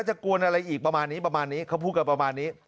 กวนอะไรอีกประมาณนี้ประมาณนี้เขาพูดกันประมาณนี้